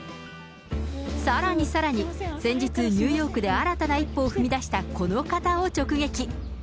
さらにさらに、先日、ニューヨークで新たな一歩を踏み出したこの方を直撃。